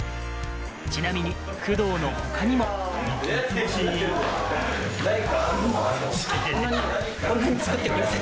ちなみに「工藤」の他にもイェイ。